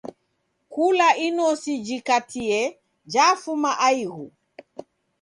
Kula inosi jikatie, jafuma aighu.